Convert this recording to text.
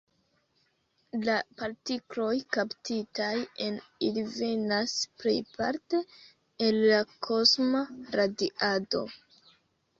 La partikloj kaptitaj en ili venas plejparte el la kosma radiado.